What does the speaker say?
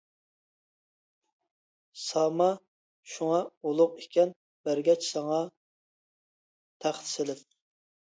ساما شۇڭا ئۇلۇغ ئىكەن بەرگەچ ساڭا تەخت سېلىپ.